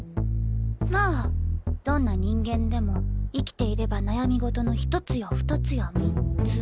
まどんな人間でも生きていれば悩み事のひとつやふたつやみっつ。